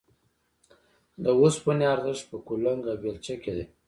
د اوسپنې ارزښت په کلنګ او بېلچه کې دی